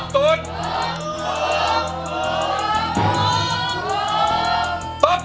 ตอบถูกครับ